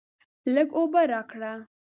لږ اوبه راکړه!